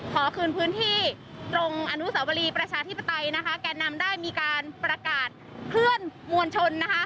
ขอคืนพื้นที่ตรงอนุสาวรีประชาธิปไตยนะคะแก่นำได้มีการประกาศเคลื่อนมวลชน